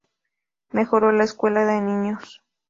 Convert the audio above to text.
Mejoró la escuela de Niños.